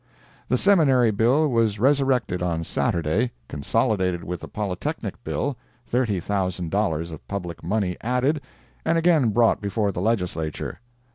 The Seminary bill was resurrected on Saturday, consolidated with the Polytechnic bill, $30,000 of public money added, and again brought before the Legislature.